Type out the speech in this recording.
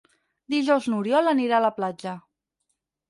Dijous n'Oriol anirà a la platja.